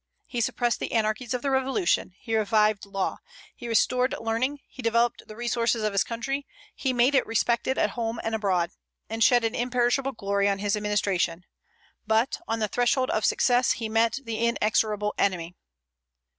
He suppressed the anarchies of the revolution, he revived law, he restored learning, he developed the resources of his country; he made it respected at home and abroad, and shed an imperishable glory on his administration, but "on the threshold of success he met the inexorable enemy."